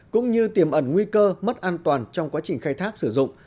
cũng như tiềm ẩn nguy cơ mất an toàn trong quá trình khai thác sử dụng